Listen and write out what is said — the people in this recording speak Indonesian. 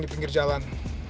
di pinggir jalan